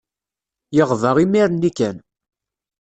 Yeɣba imir-nni kan.